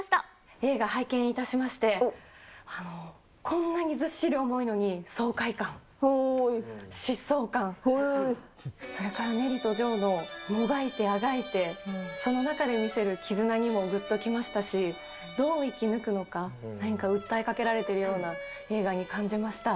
映画、拝見いたしまして、こんなにずっしり重いのに、爽快感、疾走感、それからネリとジョーのもがいてあがいて、その中で見せる絆にもぐっときましたし、どう生き抜くのか、何か訴えかけられてるような映画に感じました。